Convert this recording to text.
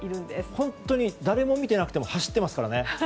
本当に誰も見ていなくても走っていますからね。